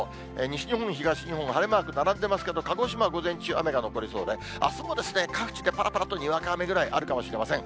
西日本、東日本、晴れマーク並んでますけれども、鹿児島は午前中、雨が残りそうで、あすも各地でぱらぱらとにわか雨ぐらい、あるかもしれません。